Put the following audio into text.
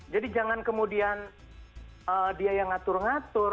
jadi jangan kemudian dia yang ngatur ngatur